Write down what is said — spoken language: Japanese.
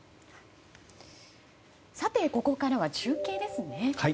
ここからは中継ですね。